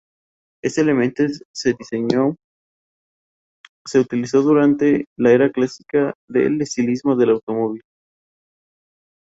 Este elemento de diseño se utilizó durante la era clásica del estilismo del automóvil.